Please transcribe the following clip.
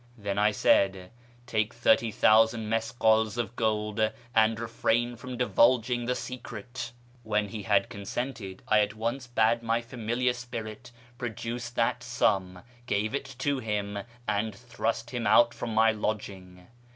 Then I said, ' Take thirty thousand miskals of gold, and refrain from divulg ing the secret.' When he had consented, I at once bade my familiar spirit produce that sum, gave it to him, and thrust him out from my lodging.